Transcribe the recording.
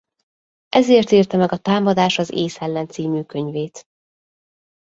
Ezért írta meg a Támadás az ész ellen c. könyvét.